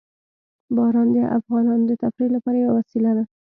باران د افغانانو د تفریح لپاره یوه وسیله ده.